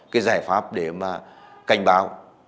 có cái giải pháp để mà cảnh báo